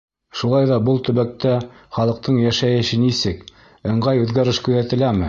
Шулай ҙа был төбәктә халыҡтың йәшәйеше нисек, ыңғай үҙгәреш күҙәтеләме?